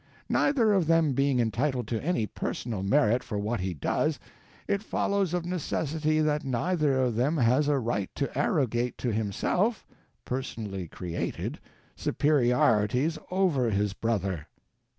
Neither of them being entitled to any personal merit for what he does, it follows of necessity that neither of them has a right to arrogate to himself (personally created) superiorities over his brother.